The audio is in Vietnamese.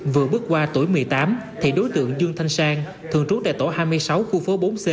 vừa bước qua tuổi một mươi tám thì đối tượng dương thanh sang thường trú tại tổ hai mươi sáu khu phố bốn c